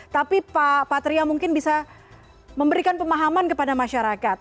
tapi pak patria mungkin bisa memberikan pemahaman kepada masyarakat